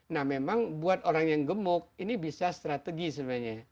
nah memang buat orang yang gemuk ini bisa strategi sebenarnya